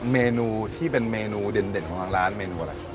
เมนูที่เป็นเมนูเด่นของทางร้านเมนูอะไร